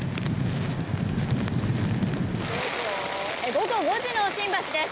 午後５時の新橋です。